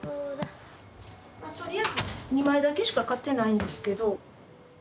とりあえず２枚だけしか買ってないんですけど。